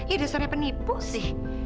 ya dasarnya penipu sih